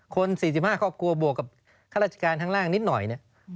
๔๕ครอบครัวบวกกับข้าราชการข้างล่างนิดหน่อยเนี่ย